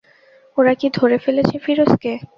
ওরা কি ধরে ফেলেছে ফিরোজকে?